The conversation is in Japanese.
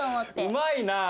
うまいなあ。